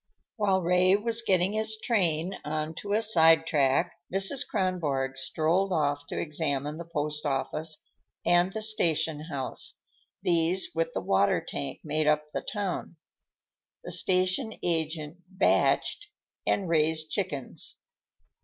While Ray was getting his train on to a side track, Mrs. Kronborg strolled off to examine the post office and station house; these, with the water tank, made up the town. The station agent "batched" and raised chickens.